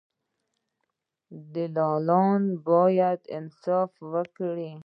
دلالان باید انصاف وکړي.